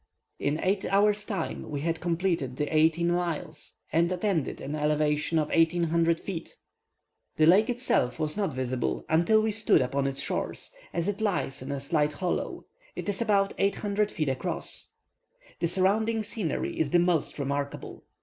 In eight hours' time we had completed the eighteen miles, and attained an elevation of 1,800 feet. The lake itself was not visible until we stood upon its shores, as it lies in a slight hollow; it is about 800 feet across. The surrounding scenery is the most remarkable.